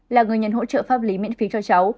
là người nhận hỗ trợ pháp lý miễn phí cho cháu